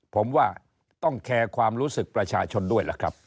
ผมว่าต้องแคร์ความรู้สึกประชาชนด้วยล่ะครับ